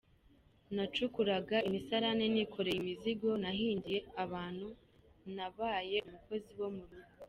Nacukuraga imisarane, nikoreye imizigo, nahingiye abantu, nabaye umukozi wo mu rugo….